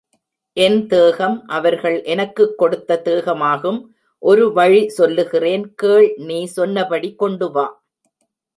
என் தேகம் அவர்கள் எனக்குக் கொடுத்த தேகமாகும் ஒரு வழி சொல்லுகிறேன் கேள் நீ சொன்னபடி கொண்டு வா.